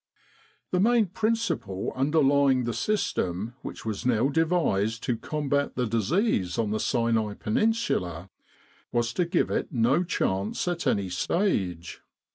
The main principle underlying the system which was now devised to combat the disease on the Sinai Peninsula, was to give it no chance at any stage.